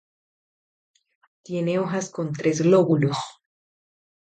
Tiene hojas con tres lóbulos.